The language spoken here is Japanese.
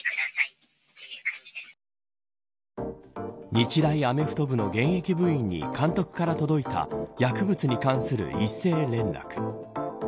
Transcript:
日大アメフト部の現役部員の監督から届いた薬物に関する一斉連絡。